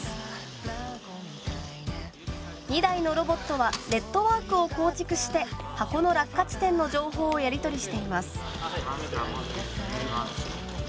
２台のロボットはネットワークを構築して箱の落下地点の情報をやり取りしています。